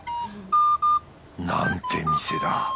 なんて店だ。